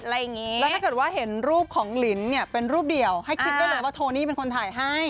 หรือว่าเห็นรูปของลิ้นเป็นรูปเดี่ยวให้คิดไว้เลยว่าโทนี่เป็นคนถ่ายให้